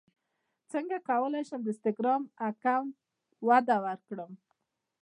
څنګه کولی شم د انسټاګرام اکاونټ وده ورکړم